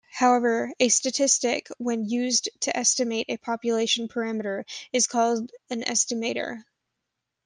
However, a statistic, when used to estimate a population parameter, is called an estimator.